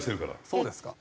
そうですか。